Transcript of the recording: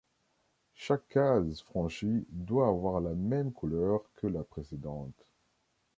Chaque case franchie doit avoir la même couleur que la précédente.